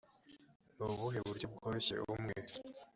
ni ubuhe buryo bworoshye o umwe